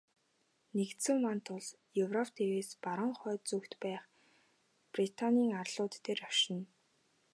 Нэгдсэн вант улс Европ тивээс баруун хойд зүгт байх Британийн арлууд дээр оршино.